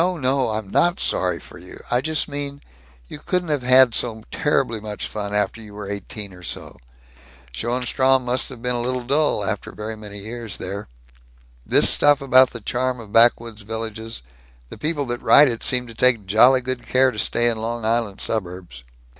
No! I'm not sorry for you! I just mean, you couldn't have had so terribly much fun, after you were eighteen or so. Schoenstrom must have been a little dull, after very many years there. This stuff about the charm of backwoods villages the people that write it seem to take jolly good care to stay in Long Island suburbs!"